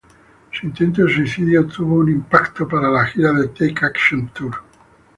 Su intento de suicidio tuvo un impacto para la gira de Take Action Tour.